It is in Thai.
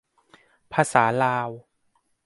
ภาษาลาว